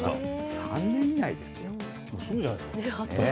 ３年以内ですよ。